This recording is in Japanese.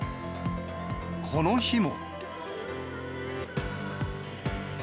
この日も。